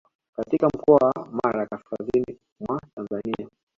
katika mkoa wa Mara kaskazini mwa Tanzania